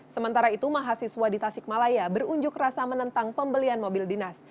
sementara itu mahasiswa di tasikmalaya berunjuk rasa menentang pembelian mobil dinas